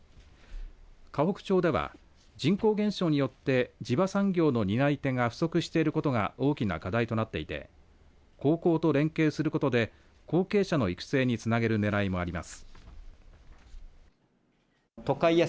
河北町では人口減少によって地場産業の担い手が不足していることが大きな課題となっていて高校と連携することで後継者の育成につなげるねらいもあります。